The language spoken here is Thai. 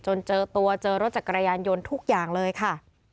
เจอตัวเจอรถจักรยานยนต์ทุกอย่างเลยค่ะ